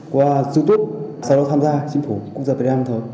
qua youtube sau đó tham gia chính phủ quốc gia việt nam lâm thời